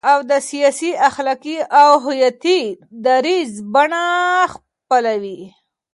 او د سیاسي، اخلاقي او هویتي دریځ بڼه خپلوي،